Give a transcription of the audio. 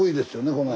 この辺。